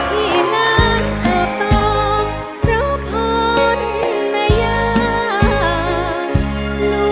ที่นานอบตเพราะผลแม่ยาน